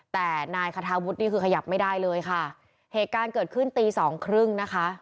แต่นายคาทาวุฒินี่คือขยับไม่ได้เลยค่ะเหตุการณ์เกิดขึ้นตีสองครึ่งนะคะ